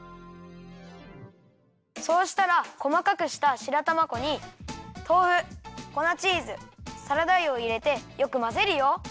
そうしたらこまかくした白玉粉にとうふ粉チーズサラダ油をいれてよくまぜるよ。